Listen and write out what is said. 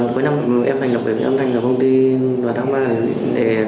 cuối năm em thành lập công ty vào tháng ba